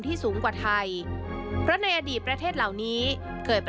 ต่อส่วนร่วมตั้งแต่เด็ก